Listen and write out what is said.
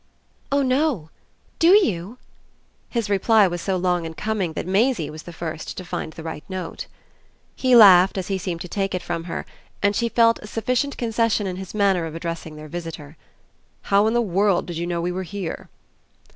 "Oh no; DO you?" His reply was so long in coming that Maisie was the first to find the right note. He laughed as he seemed to take it from her, and she felt a sufficient concession in his manner of addressing their visitor. "How in the world did you know we were here?"